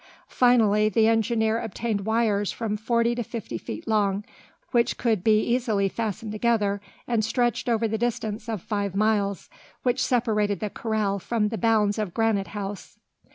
Finally, the engineer obtained wires from forty to fifty feet long, which could be easily fastened together and stretched over the distance of five miles, which separated the corral from the bounds of Granite House.